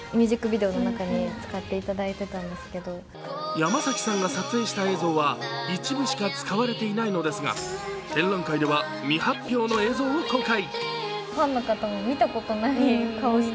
山崎さんが撮影した映像は一部しか使われていないのですが展覧会では未発表の映像を公開。